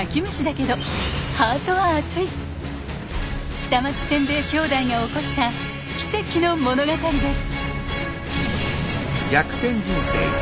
下町せんべい兄弟が起こした奇跡の物語です。